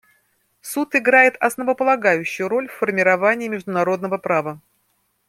Суд играет основополагающую роль в формировании международного права.